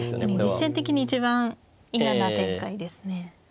実戦的に一番嫌な展開ですね。